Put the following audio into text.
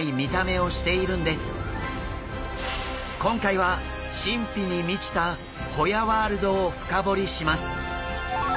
今回は神秘に満ちたホヤワールドを深掘りします。